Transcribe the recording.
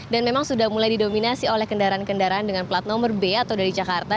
dan memang sudah mulai didominasi oleh kendaraan kendaraan dengan plat nomor b atau dari jakarta